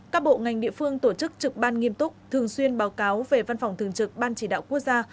các bộ ngành địa phương tổ chức trực ban nghiêm túc thường xuyên báo cáo về văn phòng thường trực ban chỉ đạo quốc gia